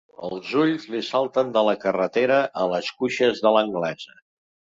Els ulls li salten de la carretera a les cuixes de l'anglesa.